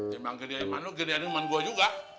cuma kirian iman lu kirian iman gue juga